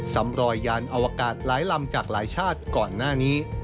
ซ้ำรอยยานอวกาศหลายลำจากหลายชาติก่อนหน้านี้